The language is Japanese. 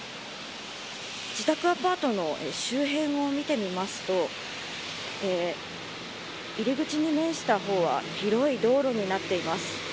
自宅アパートの周辺を見てみますと入り口に面した方は広い道路になっています。